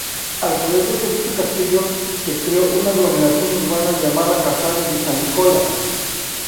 Alrededor de dicho castillo, se creó una aglomeración urbana llamada Casale di San Nicola.